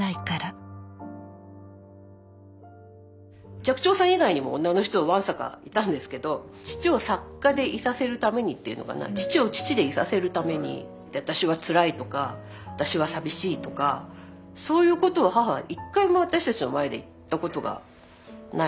寂聴さん以外にも女の人はわんさかいたんですけど父を作家でいさせるためにっていうのかな父を父でいさせるために私はつらいとか私は寂しいとかそういうことを母は一回も私たちの前で言ったことがない。